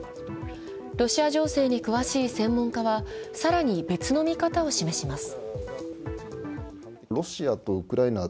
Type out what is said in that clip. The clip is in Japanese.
ロシア情勢に詳しい専門家は更に別の見方を示します。